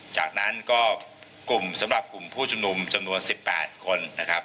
จากนั้นก็กลุ่มสำหรับกลุ่มผู้ชุมนุมจำนวน๑๘คนนะครับ